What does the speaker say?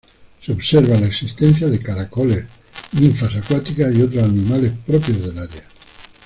Se observa la existencia de caracoles, ninfas acuáticas y otros animales propios del área.